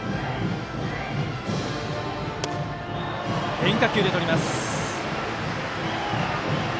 変化球でとります。